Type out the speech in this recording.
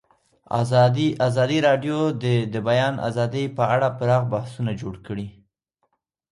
ازادي راډیو د د بیان آزادي په اړه پراخ بحثونه جوړ کړي.